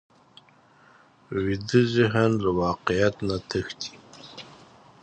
ویده ذهن له واقعیت نه تښتي